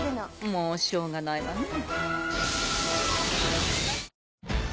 もうしょうがないわね。